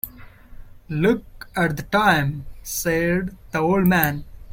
“Look at the time,” said the old man.